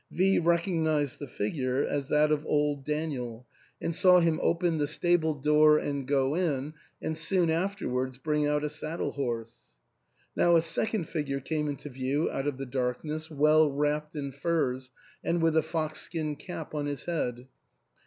V rec ognised the figure as that of old Daniel, and saw him 292 THE ENTAIL. open the stable door and go in, ^ and soon afterwards bring out a saddle horse. Now a second figure came into view out of the darkness, well wrapped in furs, and with a fox skin cap on his head.